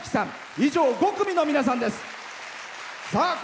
以上、５組の皆さんです。